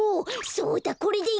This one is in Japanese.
そうだこれでいける！